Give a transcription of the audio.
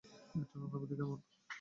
এটার অনুভূতি কেমন?